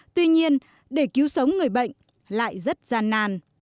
tuy nhiên để cứu sống người bệnh lại rất gian nàn